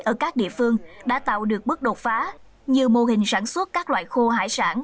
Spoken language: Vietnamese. ở các địa phương đã tạo được bước đột phá như mô hình sản xuất các loại khô hải sản